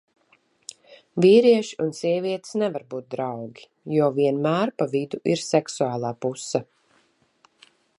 Vīrieši un sievietes nevar būt draugi, jo vienmēr pa vidu ir seksuālā puse.